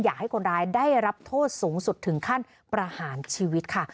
อยากให้คนร้ายได้รับโทษสูงสุดถึงขั้นประหารชีวิตค่ะ